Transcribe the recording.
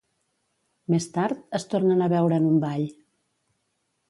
Més tard, es tornen a veure en un ball.